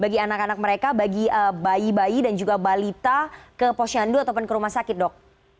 bagi anak anak mereka bagi bayi bayi dan juga balita ke posyandu ataupun ke rumah sakit dok